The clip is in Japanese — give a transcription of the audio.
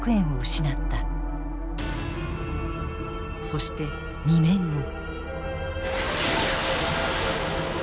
そして２年後。